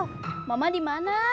papa aku memang ada hal yang sama